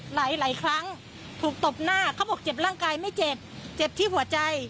หลายครั้งถูกตบหน้าเขาบอกเจ็บร่างกายไม่เจ็บเจ็บที่หัวใจ